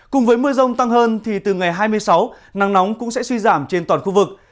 cùng với mưa rông tăng hơn thì từ ngày hai mươi sáu nắng nóng cũng sẽ suy giảm trên toàn khu vực